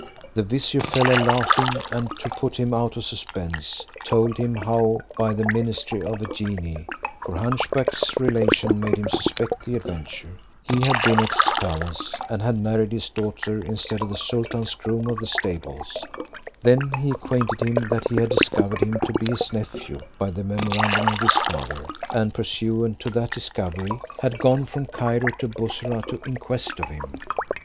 The vizier fell a laughing, and to put him out of suspense, told him how, by the ministry of a genie (for hunch back's relation made him suspect the adventure), he had been at his palace, and had married his daughter instead of the sultan's groom of the stables; then he acquainted him that he had discovered him to be his nephew by the memorandum of his father, and pursuant to that discovery had gone from Cairo to Bussorah in quest of him.